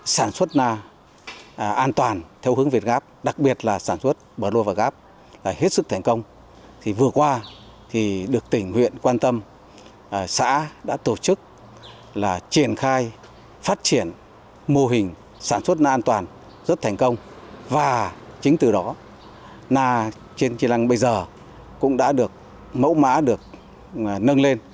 sản xuất na an toàn rất thành công và chính từ đó na trên chi lăng bây giờ cũng đã được mẫu mã được nâng lên